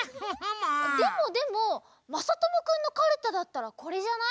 でもでもまさともくんのカルタだったらこれじゃない？